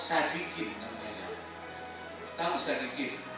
ada orang miskin ada kelompok sadikin namanya